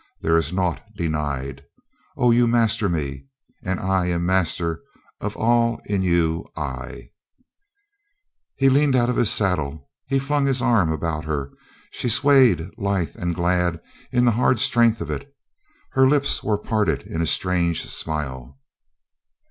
There is naught denied. Oh, you master me, and I am master of all in you I" He leaned out of his saddle, he flung his arm about her, and she swayed lithe and glad in the hard strength of it. Her lips were parted in a strange smile.